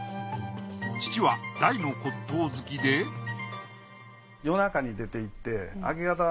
父は大の骨董好きでなんで？